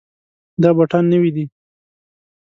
دا بوټان نوي دي.